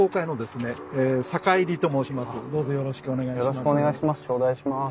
よろしくお願いします。